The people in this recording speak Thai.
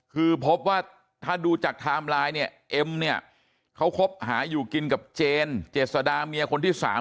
คือพบว่าถ้าดูจากไทม์ไลน์เนี่ยเอ็มเนี่ยเขาคบหาอยู่กินกับเจนเจษดาเมียคนที่สาม